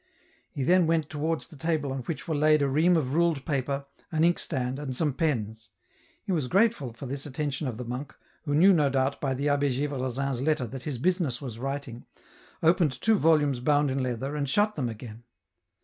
He then went towards the table on which were laid a ream of ruled paper, an ink stand, and some pens ; he was grateful for this attention of the monk, who knew no doubt by the Abh6 G^vresin's letter that his business was writing, opened two volumes bound in leather and shut them again.